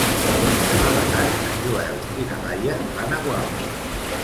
Demà passat en Joel i na Laia van a Gualba.